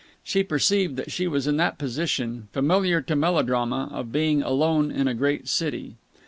She perceived that she was in that position, familiar to melodrama, of being alone in a great city.